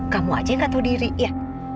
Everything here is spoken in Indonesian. kamu aja yang gak tahu diri ya